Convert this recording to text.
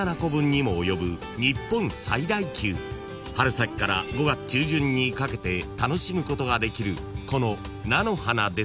［春先から５月中旬にかけて楽しむことができるこの菜の花ですが］